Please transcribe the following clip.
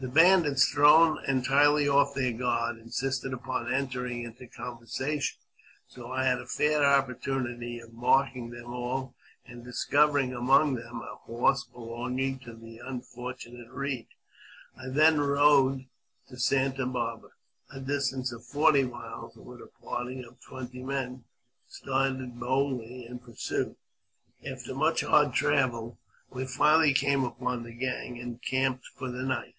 The bandits, thrown entirely off their guard, insisted upon entering into^ conversation ; so I had a fair opportunity of marking them all, and discovering among them a horse belong ing to the unfortunate Eeed. I then rode to Santa Barbara, a JAMES P. BECKWOUBTH. 417 distance of forty miles, and, with a party of twenty men, started boldly in pursuit. After much hard travel, we finally came upon the gang, encamped for the night.